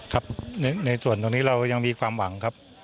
ครับในส่วนตรงนี้เรายังมีความหวังครับ